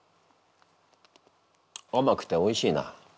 あまくておいしいな。